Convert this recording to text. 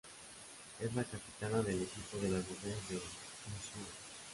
Es la capitana del equipo de las mujeres de Mizuho.